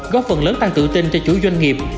góp phần lớn tăng tự tin cho chủ doanh nghiệp